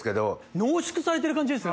濃縮されてる感じです